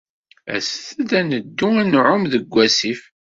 Aset-d ad neddu ad nɛum deg wasif.